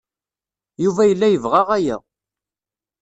Yuba yella yebɣa aya.